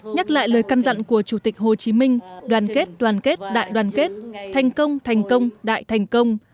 nhắc lại lời căn dặn của chủ tịch hồ chí minh đoàn kết đoàn kết đại đoàn kết thành công thành công đại thành công